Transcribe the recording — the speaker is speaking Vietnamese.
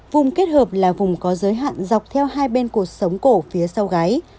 vùng kết hợp là vùng có giới hạn dọc theo hai bên cuộc sống cổ phía sau gái